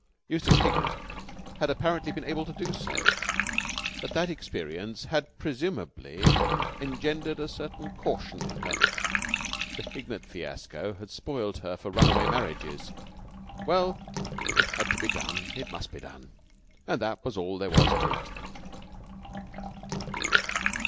Eustace Hignett had apparently been able to do so. But that experience had presumably engendered a certain caution in her. The Hignett fiasco had spoiled her for runaway marriages. Well, if it had to be done, it must be done, and that was all there was to it.